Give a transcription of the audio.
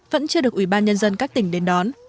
vẫn chưa được ủy ban nhân dân các tỉnh đến đón